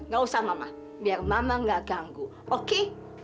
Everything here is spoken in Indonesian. nggak usah mama biar mama nggak ganggu oke